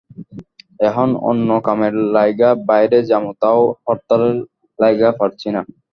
এহন অন্য কামের লাইগা বাইরে যামু তাও হরতালের লাইগা পারছি না।